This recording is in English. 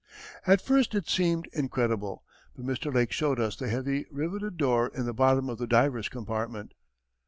At first it seemed incredible, but Mr. Lake showed us the heavy, riveted door in the bottom of the diver's compartment.